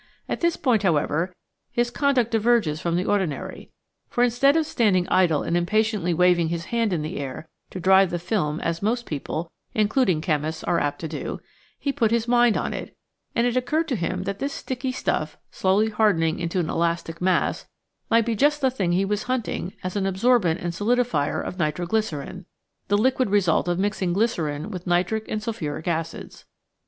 At this point, however, his con duct diverges from the ordinary, for instead of standing idle impatiently waving his hand in the air to dry the film as most people, including chemists, are apt to do, he put his mind on it, and it occurred to him that this sticky stuff, slowly hardening to an elastic mass, might be just the thing he was hunting as an absorbent and solidifier of nitroglycer ine [the liquid result of mixing glycerine with nitric and sulphuric acids].